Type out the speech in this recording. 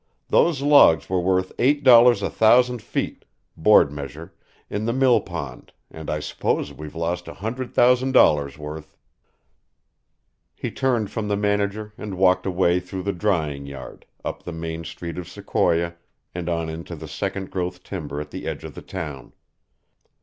Those logs were worth eight dollars a thousand feet, board measure, in the millpond, and I suppose we've lost a hundred thousand dollars' worth." He turned from the manager and walked away through the drying yard, up the main street of Sequoia, and on into the second growth timber at the edge of the town.